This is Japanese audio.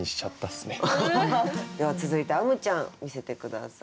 では続いてあむちゃん見せて下さい。